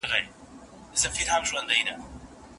هغه وخت نه ضایع کاوه.